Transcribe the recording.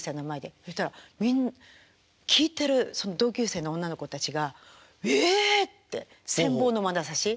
そしたら聴いてるその同級生の女の子たちが「ええ！」って羨望のまなざし。